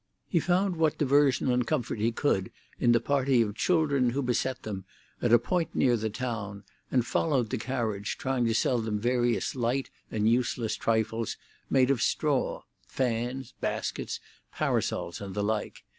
He found what diversion and comfort he could in the party of children who beset them at a point near the town, and followed the carriage, trying to sell them various light and useless trifles made of straw—fans, baskets, parasols, and the like.